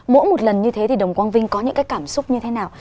mỗi một lần như thế thì đồng quang vinh có những cái cảm xúc như thế nào